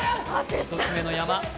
１つ目の山。